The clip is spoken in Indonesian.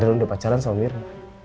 saya udah pacaran sama mirna